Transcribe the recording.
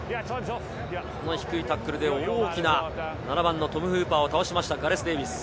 この低いタックルで、大きな７番のトム・フーパーを倒しました、ガレス・デーヴィス。